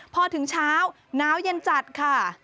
พอถึงเช้าหนาวเย็นจัดค่ะ